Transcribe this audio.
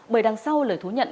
bởi đằng sau lời thú nhận